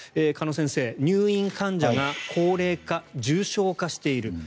鹿野先生、入院患者が高齢化、重症化している。